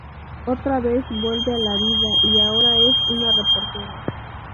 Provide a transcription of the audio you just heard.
Otra vez vuelve a la vida, y ahora es una reportera.